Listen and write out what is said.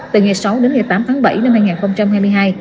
từ ngày sáu đến ngày tám tháng bảy năm hai nghìn hai mươi hai